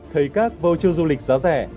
thấy các voucher du lịch giá rẻ